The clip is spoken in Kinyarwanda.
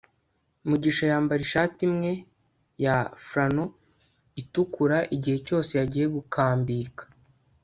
mugisha yambara ishati imwe ya flannel itukura igihe cyose yagiye gukambika